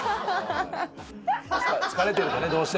疲れてるとねどうしても。